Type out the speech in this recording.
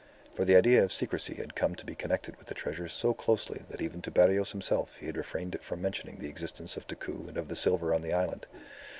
For the idea of secrecy had come to be connected with the treasure so closely that even to Barrios himself he had refrained from mentioning the existence of Decoud and of the silver on the island.